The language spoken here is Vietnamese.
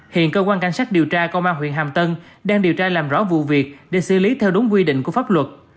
hiện cơ quan cảnh sát điều tra công an huyện hàm tân đang điều tra làm rõ vụ việc để xử lý theo đúng quy định của pháp luật